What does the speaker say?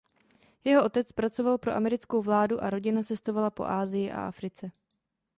Jeho otec pracoval pro americkou vládu a rodina cestovala po Asie a Africe.